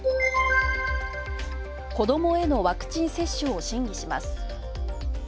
子どもへのワクチン接種を審議します。